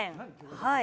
はい。